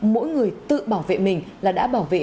mỗi người tự bảo vệ mình là đã bảo vệ